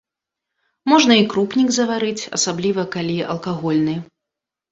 Можна і крупнік зварыць, асабліва, калі алкагольны.